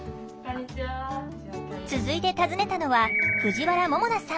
続いて訪ねたのは藤原ももなさん。